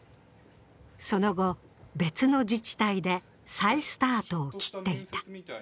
その後、別の自治体で再スタートを切っていた。